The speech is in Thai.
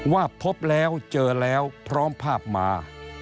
ว่าพบแล้วเจอแล้วพร้อมภาพมา